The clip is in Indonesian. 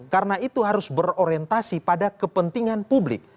karena itu harus berorientasi pada kepentingan publik